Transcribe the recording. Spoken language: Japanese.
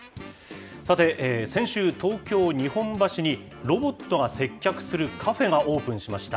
さて、先週、東京・日本橋にロボットが接客するカフェがオープンしました。